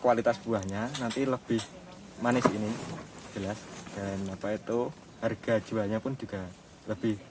kualitas buahnya nanti lebih manis ini jelas dan apa itu harga jualnya pun juga lebih